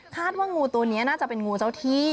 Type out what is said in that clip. ว่างูตัวนี้น่าจะเป็นงูเจ้าที่